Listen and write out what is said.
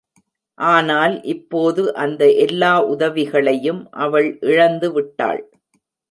ஆனால் இப்போது அந்த எல்லா உதவிகளையும் அவள் இழந்துவிட்டாள்.